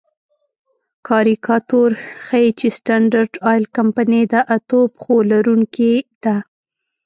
کاریکاتور ښيي چې سټنډرډ آیل کمپنۍ د اتو پښو لرونکې ده.